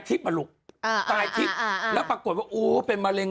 ตายทิศและปรากฏว่าโอ้เห็นมะเร็ง